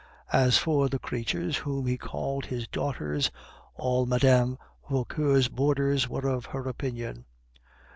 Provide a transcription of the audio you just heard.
As for the creatures whom he called his daughters, all Mme. Vauquer's boarders were of her opinion.